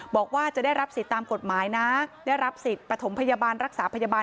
บอกว่าจะได้รับสิทธิ์ตามกฎหมายนะได้รับสิทธิ์ประถมพยาบาลรักษาพยาบาล